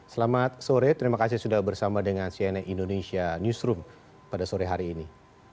selamat sore terima kasih sudah bersama dengan cnn indonesia newsroom pada sore hari ini